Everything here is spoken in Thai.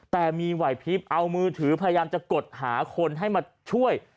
แต่มีไหวพลิบเอามือถือพยายามจะกดหาคนให้มาช่วย